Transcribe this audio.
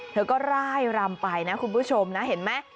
เธอก็ร่ายรำไปนะคุณผู้ชมนะเห็นไหม